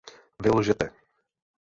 Vy lžete!